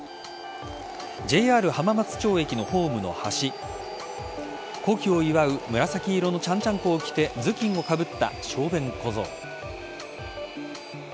ＪＲ浜松町駅のホームの端古希を祝う紫色のちゃんちゃんこを着て頭巾をかぶった小便小僧。